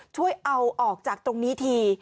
ช่วยเอาออกจากตรงนี้ที